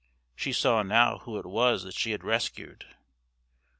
She saw now who it was that she had rescued.